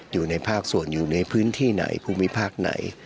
อยู่ในภาคส่วนอยู่ในพื้นที่ไหนภูมิภาคไหน